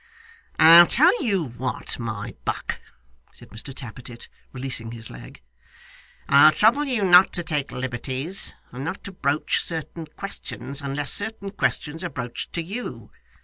'I'll tell you what, my buck,' said Mr Tappertit, releasing his leg; 'I'll trouble you not to take liberties, and not to broach certain questions unless certain questions are broached to you.